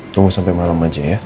tunggu sampai malam aja ya